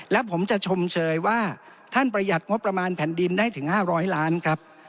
และผมจะชมเชยว่าท่านประหยัดงบประมาณแผ่นดินได้ถึง๕๐๐ล้านครับ